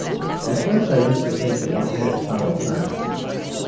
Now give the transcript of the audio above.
At first I used to think that one had to follow signs.